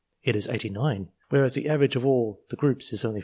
It is 89, whereas the average of all the groups is only 48.